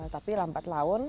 tapi lambat laun